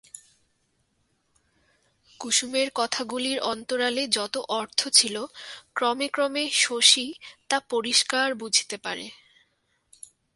কুসুমের কথাগুলির অন্তরালে যত অর্থ ছিল ক্রমে ক্রমে শশী তা পরিষ্কার বুঝিতে পারে।